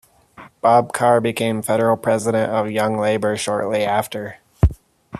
Bob Carr became Federal President of Young Labor shortly after.